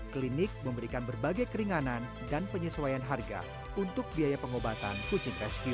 klinik memberikan berbagai keringanan dan penyesuaian harga untuk biaya pengobatan kucing rescue